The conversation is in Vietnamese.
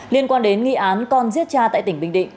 liên quan đến nghi án con giết cha tại tỉnh bình định